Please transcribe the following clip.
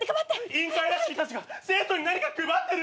委員会らしき人たちが生徒に何か配ってる？